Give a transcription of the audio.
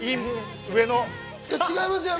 違いますよ！